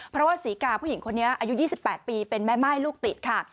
เพราะว่าศรีกาผู้หญิงคนนี้อายุ๒๘ปีเป็นแม่ม่ายลูกติดค่ะ